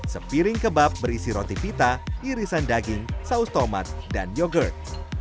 sepiring kebab berisi roti pita irisan daging saus tomat dan yogurt